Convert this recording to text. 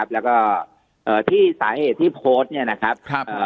แล้วก็ที่สาเหตุที่โพสต์เนี่ยนะครับ